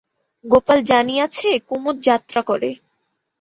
গোপাল জানিয়াছে কুমুদ যাত্রা করে।